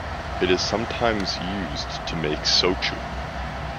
It is sometimes used to make shochu.